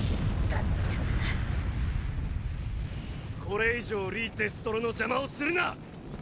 これ以上リ・デストロの邪魔をするな！